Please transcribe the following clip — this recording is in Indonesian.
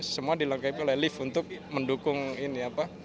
semua dilengkapi oleh lift untuk mendukung ini apa